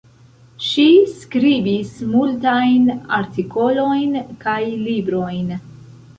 Ŝi skribis multajn artikolojn kaj librojn.